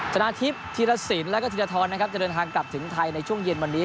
จนาทีพทีละสินและก็ทีละทอนนะครับจะเดินทางกลับถึงไทยในช่วงเย็นวันนี้